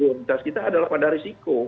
imunitas kita adalah pada risiko